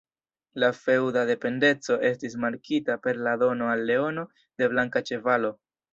La feŭda dependeco estis markita per la dono al Leono de blanka ĉevalo.